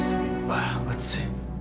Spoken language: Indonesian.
sempit banget sih